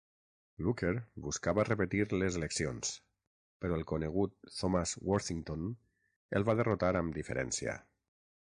Looker buscava repetir les eleccions, però el conegut Thomas Worthington el va derrotar amb diferència.